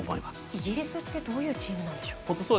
イギリスってどういうチームなんでしょう。